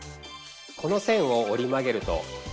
この線を折り曲げるとＬ。